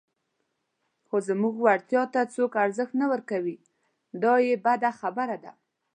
خو زموږ وړتیا ته څوک ارزښت نه ورکوي، دا یې بده خبره ده.